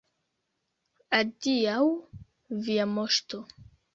Adiaŭ, via Moŝto.